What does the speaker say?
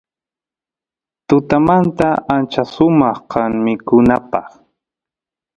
tutamanta ancha sumaq kan mikunapaq